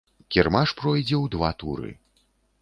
Кірмаш пройдзе ў два туры.